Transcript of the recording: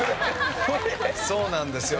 そうなんですよ。